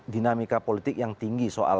dinamika politik yang tinggi